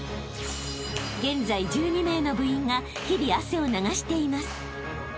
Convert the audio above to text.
［現在１２名の部員が日々汗を流しています］